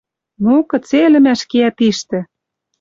«Ну, кыце ӹлӹмӓш кеӓ тиштӹ?